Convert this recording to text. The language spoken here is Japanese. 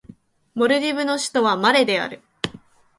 モルディブの首都はマレである